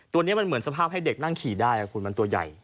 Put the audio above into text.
ตัวนี้มันเหมือนสภาพให้เด็กนั่งขี่ได้คุณมันตัวใหญ่